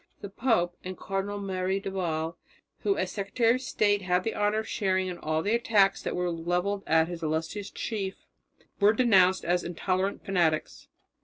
The pope and Cardinal Merry del Val, who as secretary of state had the honour of sharing in all the attacks that were levelled at his illustrious chief, were denounced as intolerant fanatics.